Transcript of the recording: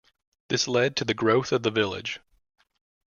This led to the growth of the village.